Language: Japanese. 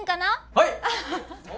はい！